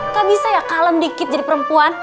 gak bisa ya kalem dikit jadi perempuan